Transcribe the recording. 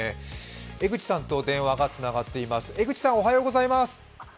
江口さんと電話がつながっています。